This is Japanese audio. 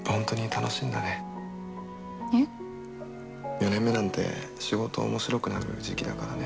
４年目なんて仕事面白くなる時期だからね。